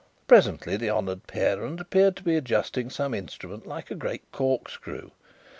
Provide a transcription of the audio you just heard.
Presently the honoured parent appeared to be adjusting some instrument like a great corkscrew.